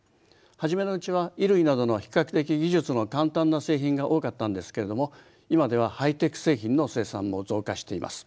初めのうちは衣類などの比較的技術の簡単な製品が多かったんですけれども今ではハイテク製品の生産も増加しています。